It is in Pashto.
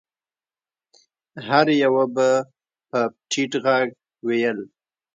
هر يوه به په ټيټ غږ ويل.